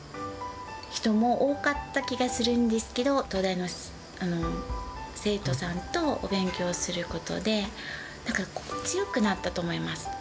人も多かった気がするんですけど、東大の生徒さんとお勉強することで、なんか強くなったと思います。